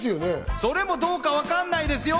それもどうかわかんないです